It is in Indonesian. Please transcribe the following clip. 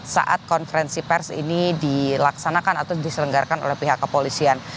saat konferensi pers ini dilaksanakan atau diselenggarakan oleh pihak kepolisian